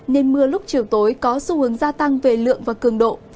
nên mưa lúc chiều tối có xu hướng gia tăng về lượng và cường độ